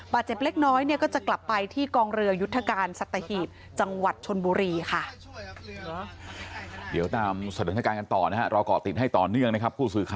เจ็บเล็กน้อยเนี่ยก็จะกลับไปที่กองเรือยุทธการสัตหีบจังหวัดชนบุรีค่ะ